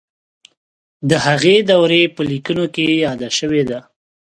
د هغې دورې په لیکنو کې یاده شوې ده.